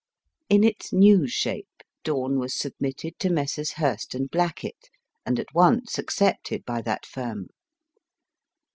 In its new shape Dawn was submitted to Messrs. Hurst & Blackett, and at once accepted by that firm.